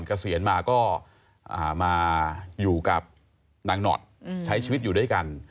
เกษียณมาก็มาอยู่กับนางหนอดใช้ชีวิตอยู่ด้วยกัน